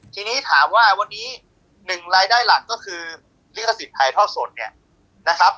ทีนี้ถามว่าการให้รายได้หลักนะครับคือศิษย์ไทยทอดโสดนะครับ